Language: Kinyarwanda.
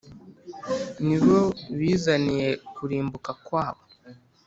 ni bo bizaniye kurimbuka kwabo